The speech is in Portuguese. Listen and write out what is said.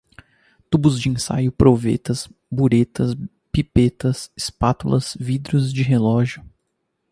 tubos de ensaio, provetas, buretas, pipetas, espátulas, vidros de relógio